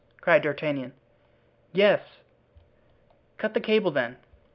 cried D'Artagnan. "Yes." "Cut the cable, then."